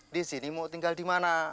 di sini mau tinggal di mana